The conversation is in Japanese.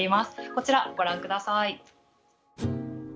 こちらご覧ください。